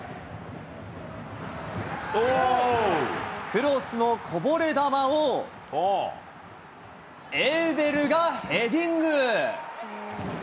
クロスのこぼれ球をエウベルがヘディング。